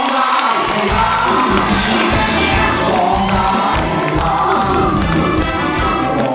ร้องได้ให้ร้าน